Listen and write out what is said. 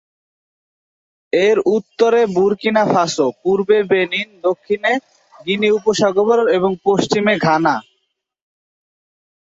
এর উত্তরে Burkina Faso, পূর্বে বেনিন, দক্ষিণে গিনি উপসাগর, এবং পশ্চিমে ঘানা।